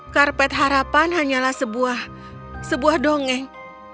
karpet harapan hanyalah sebuah dongeng